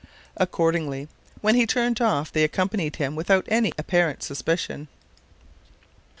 Accordingly, when he turned off, they accompanied him without any apparent suspicion.